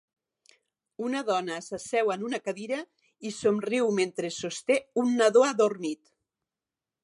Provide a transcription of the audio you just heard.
Una dona s'asseu en una cadira i somriu mentre sosté un nadó adormit.